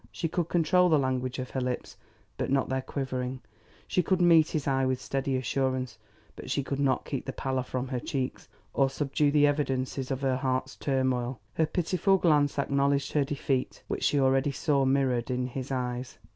She could control the language of her lips, but not their quivering; she could meet his eye with steady assurance but she could not keep the pallor from her cheeks or subdue the evidences of her heart's turmoil. Her pitiful glance acknowledged her defeat, which she already saw mirrored in his eyes.